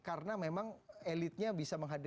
karena memang elitnya bisa menghubungi